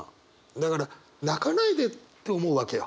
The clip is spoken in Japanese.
だから泣かないでって思うわけよ。